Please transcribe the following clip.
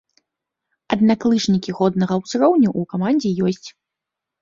Аднак лыжнікі годнага ўзроўню ў камандзе ёсць.